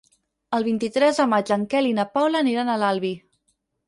El vint-i-tres de maig en Quel i na Paula aniran a l'Albi.